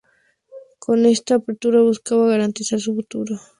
Con esta apertura buscaba garantizar su futuro cuando se retirase del deporte profesional.